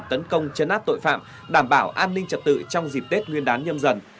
tấn công chấn áp tội phạm đảm bảo an ninh trật tự trong dịp tết nguyên đán nhâm dần